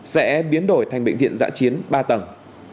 sẽ biến đổi thành bệnh viện giã chiến ba tầng